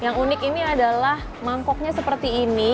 yang unik ini adalah mangkoknya seperti ini